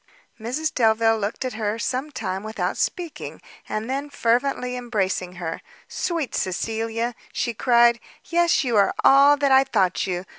Mrs Delvile looked at her some time without speaking, and then, fervently embracing her, "sweet Cecilia!" she cried, "yes, you are all that I thought you!